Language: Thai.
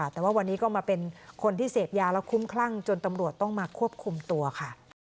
แต่ว่าวันนี้ก็มาเป็นคนที่เสพยาแล้วคุ้มคลั่งจนตำรวจต้องมาควบคุมตัวค่ะ